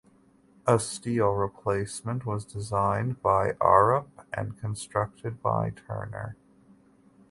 A steel replacement was designed by Arup and constructed by Turner.